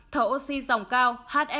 thở máy không xâm lấn hai trăm bốn mươi ca